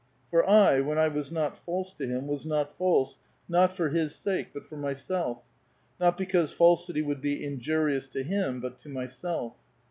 For I, when I was not false to him, was not false, not for his sake, but for myself; not because falsitj* would be injurious to him, but to myself.